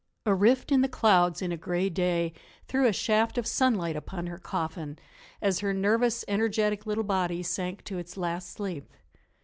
A rift in the clouds in a gray day threw a shaft of sunlight upon her coffin as her nervous, energetic little body sank to its last sleep.